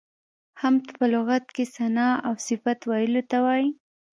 حمد په لغت کې ثنا او صفت ویلو ته وایي.